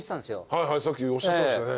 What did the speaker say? はいさっきおっしゃってましたね。